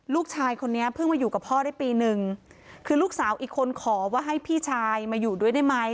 ลูกชายคนนี้เพิ่งมาอยู่กับพ่อได้ปีนึงคือลูกสาวอีกคนขอว่าให้พี่ชายมาอยู่ด้วยได้ไหม